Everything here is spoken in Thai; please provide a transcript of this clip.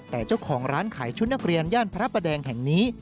แต่เจ้าของร้านขายชุดนักเรียนย่านพระประแดงแห่งนี้